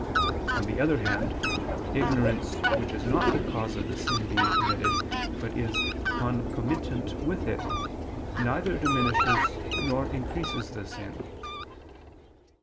On the other hand, ignorance which is not the cause of the sin being committed, but is concomitant with it, neither diminishes nor increases the sin.